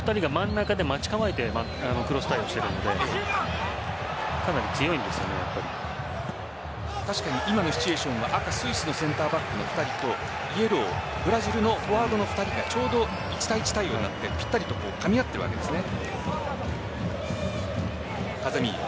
今、２人が真ん中で待ち構えてクロス対応しているんで確かに今のシチュエーションは赤、スイスのセンターバックイエロー、ブラジルのフォワードの２人がちょうど一対一対応になってぴったりかみ合っているわけですね。